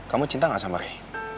kamu cinta gak sama rei